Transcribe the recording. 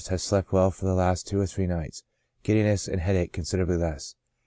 — Has slept well for the last two or three nights; giddiness and headache considerably less.